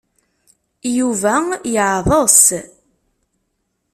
Yuba yeɛḍes.